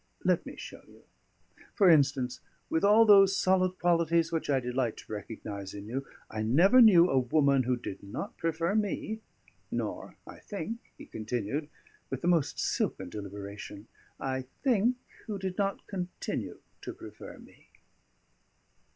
Let me show you. For instance, with all those solid qualities which I delight to recognise in you, I never knew a woman who did not prefer me nor, I think," he continued, with the most silken deliberation, "I think who did not continue to prefer me."